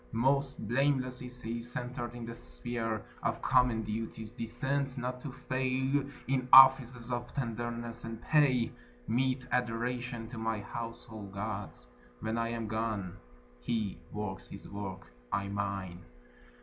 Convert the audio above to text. Most blameless is he, centred in the sphere Of common duties, decent not to fail In offices of tenderness, and pay Meet adoration to my household gods, When I am gone. He works his work, I mine.